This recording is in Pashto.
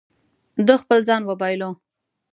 ده خپل ځان وبایلو.